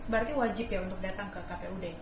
berarti wajib ya untuk datang ke kpud